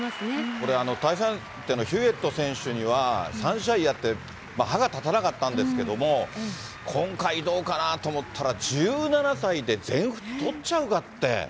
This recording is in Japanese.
これ、対戦相手のヒューエット選手には、３試合やって、歯が立たなかったんですけども、今回、どうかなと思ったら、１７歳で全仏とっちゃうかって。